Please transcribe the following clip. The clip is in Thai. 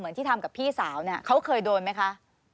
ที่ทำกับพี่สาวเนี่ยเขาเคยโดนไหมคะ